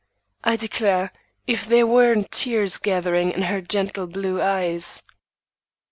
I declare, if there weren't tears gathering in her gentle blue eyes!